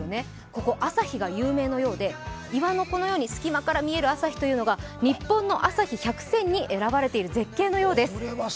ここ朝日が有名のようで岩のこのように隙間から見える朝日が日本の朝日百選に選ばれている絶景のようです。